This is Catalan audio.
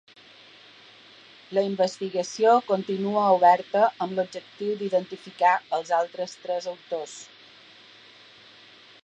La investigació continua oberta amb l’objectiu d’identificar els altres tres autors.